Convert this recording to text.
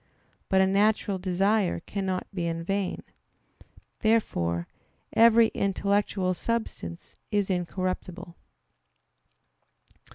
But a natural desire cannot be in vain. Therefore every intellectual substance is incorruptible.